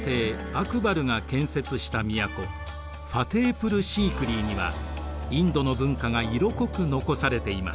アクバルが建設した都ファテープル・シークリーにはインドの文化が色濃く残されています。